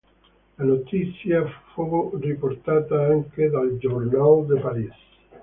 La notizia fu riportata anche dal "Journal de Paris".